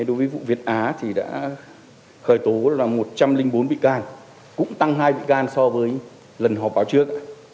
đối với vụ việt á thì đã khởi tố là một trăm linh bốn bị can cũng tăng hai bị can so với lần họp báo trước